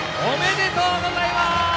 おめでとうございます！